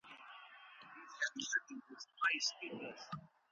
کرني پوهنځۍ په اسانۍ سره نه منظوریږي.